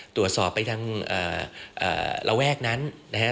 ตรวจสอบไปทางระแวกนั้นนะฮะ